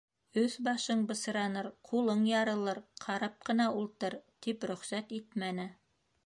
Өҫ-башың бысраныр, ҡулың ярылыр, ҡарап ҡына ултыр! — тип рөхсәт итмәне.